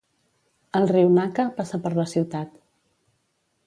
El riu Naka passa per la ciutat.